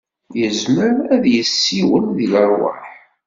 Yezmer ad yessiwel d leṛwaḥ.